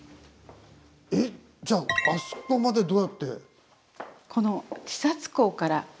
えっじゃああそこまでどうやって？